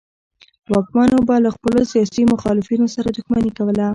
واکمنو به له خپلو سیاسي مخالفینو سره دښمني کوله.